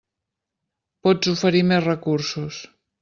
Pots oferir més recursos.